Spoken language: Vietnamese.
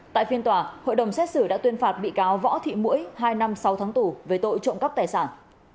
tại phiên tòa hội đồng xét xử đã tuyên phạt bị cáo võ thị mũi hai năm sáu tháng tù về tội trộm cắp tài sản